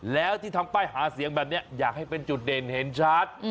แล้วที่ทำป้ายหาเสียงแบบนี้อยากให้เป็นจุดเด่นเห็นชัด